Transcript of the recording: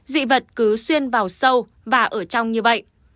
dị vật cứ xuyên vào sâu và ở trong như vậy